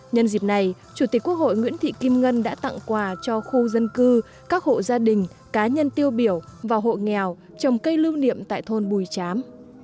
nhân dịp này chủ tịch quốc hội nguyễn thị kim ngân đã tặng quà cho khu dân cư các hộ gia đình cá nhân tiêu biểu và hộ nghèo trồng cây lưu niệm tại thôn bùi chám